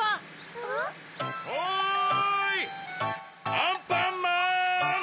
アンパンマン！